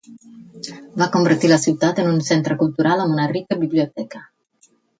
Va convertir la ciutat en un centre cultural amb una rica biblioteca.